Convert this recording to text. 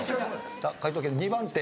解答権２番手。